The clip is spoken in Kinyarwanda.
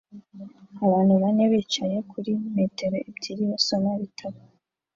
Abantu bane bicaye kuri metero ebyiri basoma ibitabo